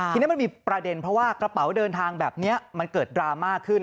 ทีนี้มันมีประเด็นเพราะว่ากระเป๋าเดินทางแบบนี้มันเกิดดราม่าขึ้น